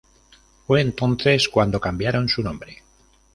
Fue entonces cuando cambiaron su nombre.